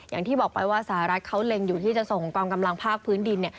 อย่างที่บอกไปว่าสหรัฐเขาเล็งอยู่ที่จะส่งกองกำลังภาคพื้นดิน